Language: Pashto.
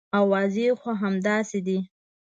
اوازې خو همداسې دي.